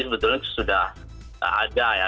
sebetulnya sudah ada ya